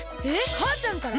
かあちゃんから？